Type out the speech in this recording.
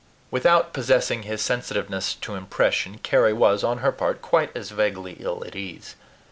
Without possessing his sensitiveness to impression, Carry was, on her part, quite as vaguely ill at ease.